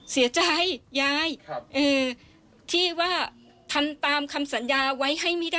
เสียใจยายที่ว่าทำตามคำสัญญาไว้ให้ไม่ได้